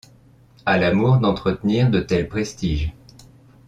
À l’amour d’entretenir de tels prestiges!